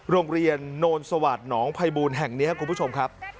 โรงเรียนนวลสวาสนองภัยบูรณ์แห่งนี้ครับคุณผู้ชมครับ